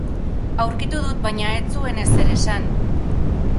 Aurkitu dut, baina ez zuen ezer esan.